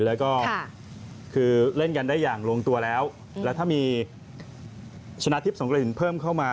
แล้วก็คือเล่นกันได้อย่างลงตัวแล้วแล้วถ้ามีชนะทิพย์สงกระสินเพิ่มเข้ามา